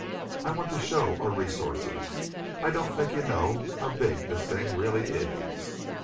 I want to show our resources. I don't think you know how big this thing really is."